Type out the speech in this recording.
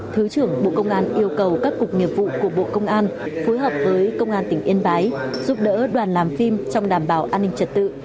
thứ trưởng bộ công an yêu cầu các cục nghiệp vụ của bộ công an phối hợp với công an tỉnh yên bái giúp đỡ đoàn làm phim trong đảm bảo an ninh trật tự